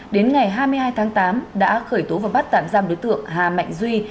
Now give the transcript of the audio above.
đến ngày hai mươi hai tháng tám đã khởi tố và bắt tạm giam đối tượng hà mạnh duy